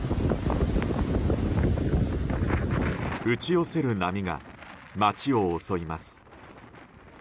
打ち寄せる波が街を襲います。